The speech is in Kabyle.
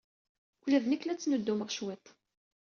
Ula d nekk la ttnuddumeɣ cwiṭ.